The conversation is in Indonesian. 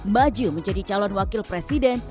maju menjadi calon wakil presiden